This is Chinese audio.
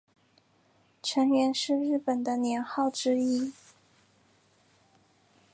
承元是日本的年号之一。